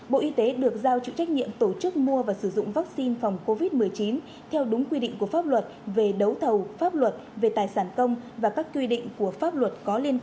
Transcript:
bộ y tế được giao chịu trách nhiệm tổ chức mua và sử dụng vaccine phòng covid một mươi chín theo đúng quy định của pháp luật về đấu thầu pháp luật về tài sản công và các quy định của pháp luật có liên quan